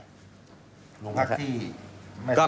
พรรคที่